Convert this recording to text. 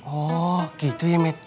oh gitu ya met